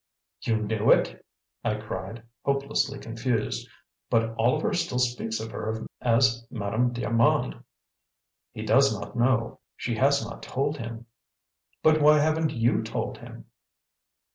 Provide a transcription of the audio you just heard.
"You knew it?" I cried, hopelessly confused. "But Oliver still speaks of her as Madame d'Armand." "He does not know. She has not told him." "But why haven't you told him?"